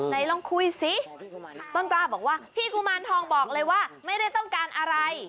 ไหนลองคุยสิต้นกล้าบอกว่าพี่กุมารทองบอกเลยว่าไม่ได้ต้องการอะไร